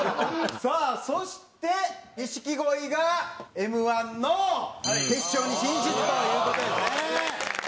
さあそして錦鯉がＭ−１の決勝に進出という事ですね。